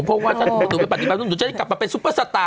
ผมว่าถ้าหนูไปปฏิบัติธรรมหนูหนูจะได้กลับมาเป็นซุปเปอร์สตาร์